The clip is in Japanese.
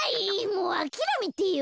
もうあきらめてよ。